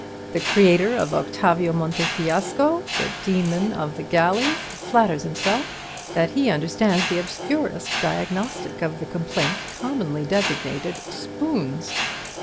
The creator of Octavio Montefiasco, the Demon of the Galleys, flatters himself that he understands the obscurest diagnostic of the complaint commonly designated 'spoons.'